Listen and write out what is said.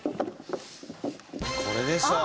これでしょ！